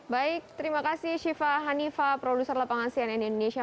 baik terima kasih syifa hanifa produser lapangan cnn indonesia